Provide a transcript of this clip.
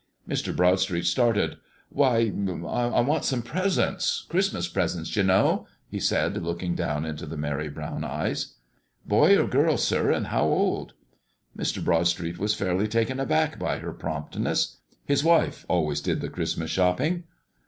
Mr. Broadstreet started. "Why, I want some presents; Christmas presents, you know," he said, looking down into the merry brown eyes. "Boy or girl, sir, and how old?" Mr. Broadstreet was fairly taken aback by her promptness. His wife always did the Christmas shopping.